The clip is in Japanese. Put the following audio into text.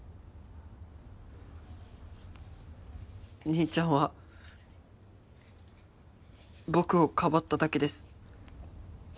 兄ちゃんは僕をかばっただけです